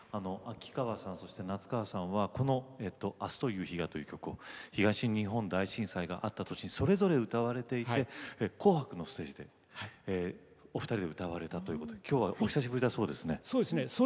秋川さんそして夏川さんはこの「あすという日が」という曲を東日本大震災があった年にそれぞれ歌われていて「紅白」のステージでお二人で歌われたということできょうはお久しぶりだそうですね。